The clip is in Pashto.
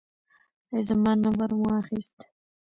ایا زما نمبر مو واخیست؟